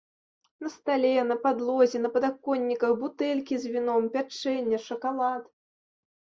На стале, на падлозе, на падаконніках бутэлькі з віном, пячэнне, шакалад.